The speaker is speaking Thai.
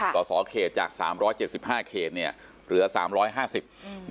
สอสอเขตจากสามร้อยเจ็ดสิบห้าเขตเนี่ยเหลือสามร้อยห้าสิบ